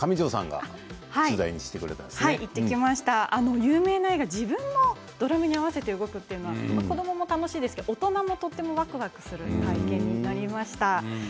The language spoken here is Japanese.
有名な絵が自分のドラムに合わせて動くというのは子どもも楽しいですけど大人もとてもわくわくする体験になりました。